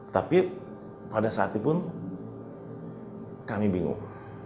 tapi pada saat itu pun kami bingung